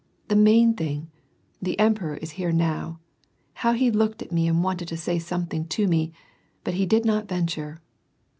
The main thing : the emperor is here now ! How he looked at me and wanted to say something to me, but he did not venture.